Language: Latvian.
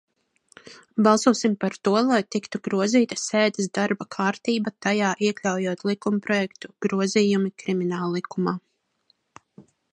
"Balsosim par to, lai tiktu grozīta sēdes darba kārtība, tajā iekļaujot likumprojektu "Grozījumi Krimināllikumā"!"